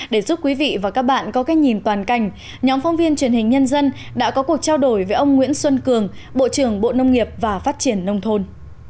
để giúp quý vị và các bạn có cái nhìn toàn cảnh nhóm phóng viên truyền hình nhân dân đã có cuộc trao đổi với ông nguyễn xuân cường bộ trưởng bộ nông nghiệp và phát triển nông thôn